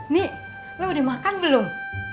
nih lo udah makan belum